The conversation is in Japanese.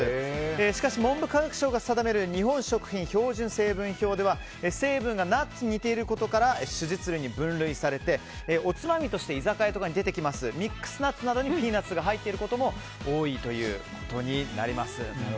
しかし文部科学省が定める日本食品標準成分表では成分がナッツに似ていることから種実類に分類されておつまみなどで居酒屋で出てくるミックスナッツなどにピーナツが入っていることも多いということです。